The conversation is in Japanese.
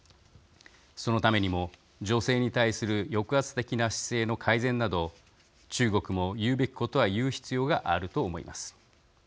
そのためにも、女性に対する抑圧的な姿勢の改善など中国も言うべきことは言う必要があると思います。